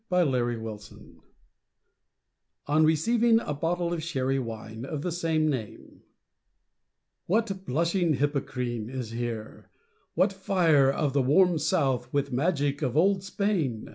DON QUIXOTE On receiving a bottle of Sherry Wine of the same name What "blushing Hippocrene" is here! what fire Of the "warm South" with magic of old Spain!